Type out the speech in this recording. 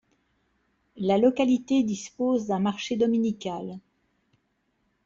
La localité dispose d'un marché dominical.